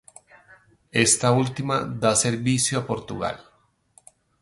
Esta última da servicio a Portugal.